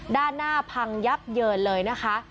ด้านหน้าพังยับเยินเลยนะคะ